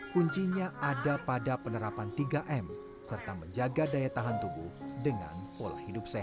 kuncinya ada pada penerapan tiga m serta menjaga daya tahan tubuh dengan pola hidup sehat